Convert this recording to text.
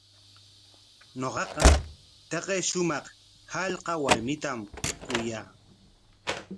Ñuqaqa taqay shumaq hallqa warmitam kuyaa.